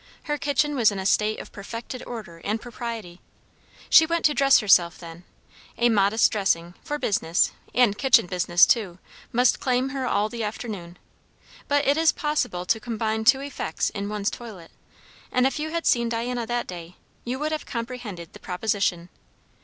Her kitchen was in a state of perfected order and propriety. She went to dress herself then; a modest dressing, for business, and kitchen business, too, must claim her all the afternoon; but it is possible to combine two effects in one's toilet; and if you had seen Diana that day, you would have comprehended the proposition.